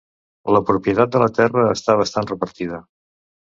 La propietat de la terra està bastant repartida.